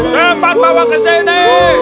tempat bawa ke sini